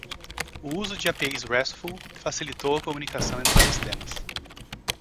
O uso de APIs RESTful facilitou a comunicação entre sistemas.